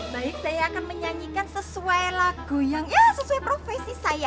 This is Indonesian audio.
baik saya akan menyanyikan sesuai lagu yang ya sesuai profesi saya